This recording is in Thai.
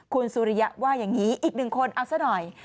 คุณสุริยะว่าอย่างนี้อีกหนึ่งคนเอาซะหน่อย